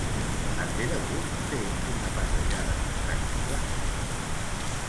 Et ve de gust fer una passejada tranquil·la?